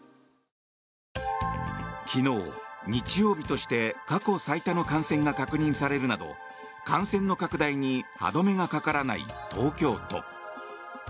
昨日、日曜日として過去最多の感染が確認されるなど感染の拡大に歯止めがかからない東京都。